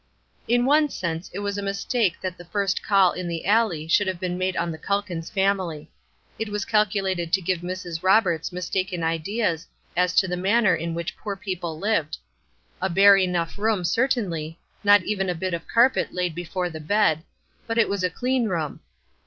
In one sense it was a mistake that the first call in the alley should have been made on the Calkins family. It was calculated to give Mrs. Roberts mistaken ideas as to the manner in which poor people lived. A bare enough room, certainly, not even a bit of carpet laid before the bed, but it was a clean room.